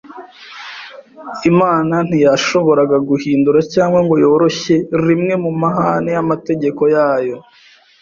Imana ntiyashoboraga guhindura cyangwa ngo yoroshye rimwe mu mahame y’amategeko yayo